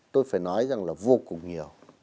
tôi phải nói rằng là vô cùng nhiều